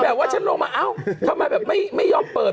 ว่าฉันลงมาเอ้าทำไมแบบไม่ยอมเปิด